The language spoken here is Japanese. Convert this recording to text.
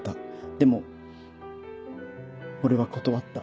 でも俺は断った。